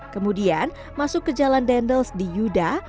kemudian masuk ke jalan dendels di yuda